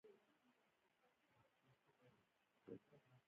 د غاښونو طب ډېرې برخې او څانګې لري